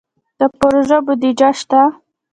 د پروژو بودیجه شته؟